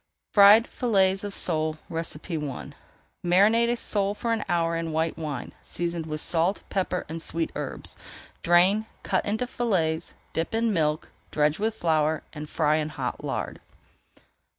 FRIED FILLETS OF SOLE I Marinate a sole for an hour in white wine, seasoned with salt, pepper, and sweet herbs. Drain, cut into fillets, dip in milk, dredge with flour, and fry in hot lard.